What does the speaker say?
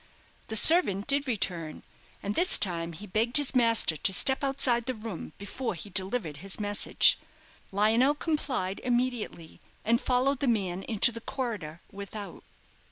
The servant did return, and this time he begged his master to step outside the room before he delivered his message. Lionel complied immediately, and followed the man into the corridor without.